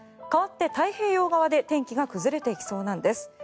かわって太平洋側で天気が崩れていきそうなんです。